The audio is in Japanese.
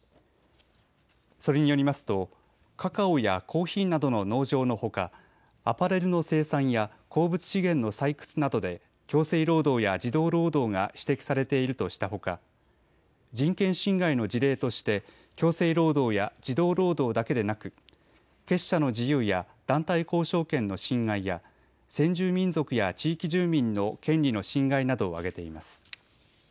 それによりますとカカオやコーヒーなどの農場のほかアパレルの生産や鉱物資源の採掘などで強制労働や児童労働が指摘されているとしたほか人権侵害の事例として強制労働や児童労働だけでなく結社の自由や団体交渉権の侵害や先住民族や地域住民の権利の侵害などを挙げています。